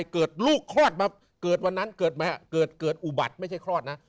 เกิดลูกคลอดมาเกิดวันนั้นเกิดอุบัติไม่ใช่คลอดนะ